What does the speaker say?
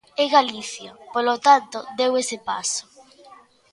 E Galicia, polo tanto, deu ese paso.